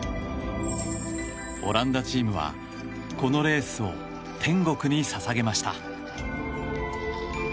オランダチームはこのレースを天国に捧げました。